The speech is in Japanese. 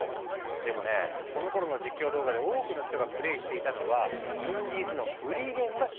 でもねこのころの実況動画で多くの人がプレーしていたのはインディーズのフリーゲームが主流だったの。